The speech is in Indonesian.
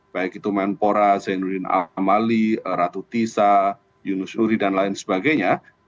baik itu menpora zainuddin amali ratu tisa yunus uri dan lain sebagainya